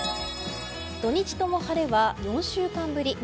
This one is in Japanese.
土日とも晴れは４週間ぶり。